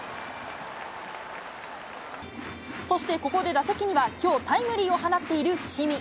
そしてここで打席には、きょう、タイムリーを放っている伏見。